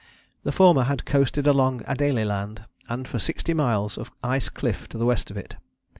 The former had coasted along Adélie Land, and for sixty miles of ice cliff to the west of it.